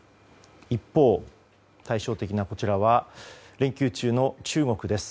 一方、対照的なのは連休中の中国です。